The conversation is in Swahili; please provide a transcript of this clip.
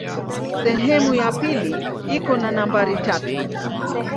Sehemu ya pili iko na nambari tatu.